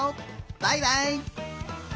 バイバイ！